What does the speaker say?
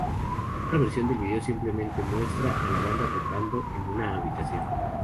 Otra versión del video simplemente muestra a la banda tocando en una habitación.